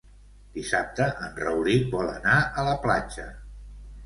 Dissabte en Rauric vol anar a la platja.